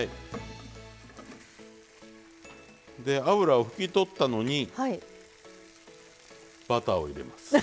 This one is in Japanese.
脂を拭き取ったのにバターを入れます。